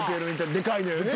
でかいのよね。